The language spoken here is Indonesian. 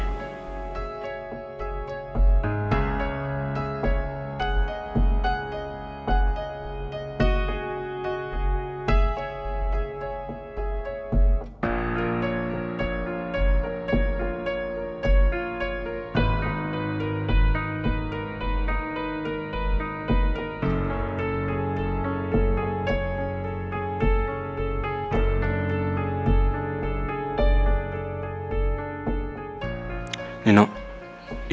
aku nunggu aja